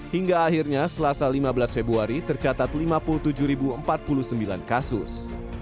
hingga akhirnya selasa lima belas februari tercatat lima puluh tujuh empat puluh sembilan kasus